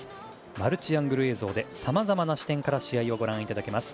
マルチアングル映像でさまざまな視点から試合をご覧いただけます。